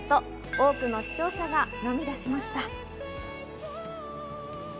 多くの視聴者が涙しました。